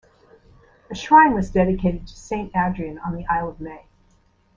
A shrine was dedicated to Saint Adrian on the Isle of May.